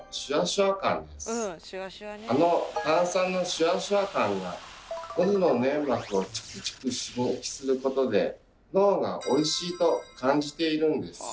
あの炭酸のシュワシュワ感がのどの粘膜をチクチク刺激することで脳が「おいしい」と感じているんです。